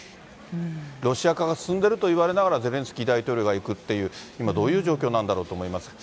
ロシア化が進んでいるといわれながら、ゼレンスキー大統領が行くっていう、今、どういう状況なんだろうと思います。